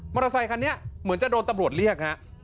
อเตอร์ไซคันนี้เหมือนจะโดนตำรวจเรียกฮะ